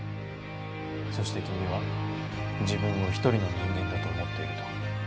そして君は自分を一人の人間だと思っていると？